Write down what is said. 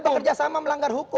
bekerja sama melanggar hukum